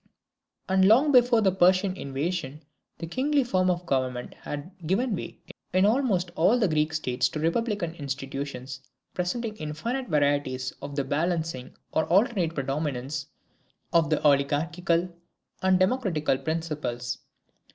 And long before the Persian invasion the kingly form of government had given way in almost all the Greek states to republican institutions, presenting infinite varieties of the balancing or the alternate predominance of the oligarchical and democratical principles.